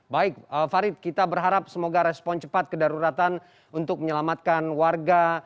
baik farid kita berharap semoga respon cepat kedaruratan untuk menyelamatkan warga